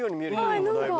はい何か。